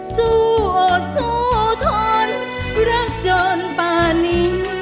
สู้อดสู้ทนรักจนป่านี